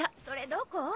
それどこ？